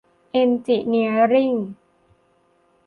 เอ็นจิเนียริ่ง